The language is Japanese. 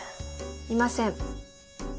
いません。